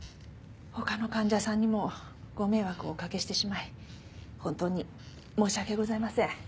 他の患者さんにもご迷惑をおかけしてしまい本当に申し訳ございません。